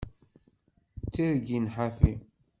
D tirgin ḥafi.